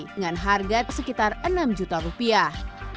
dengan harga sekitar enam juta rupiah